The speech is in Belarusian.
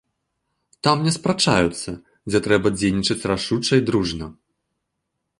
Там не спрачаюцца, дзе трэба дзейнічаць рашуча і дружна.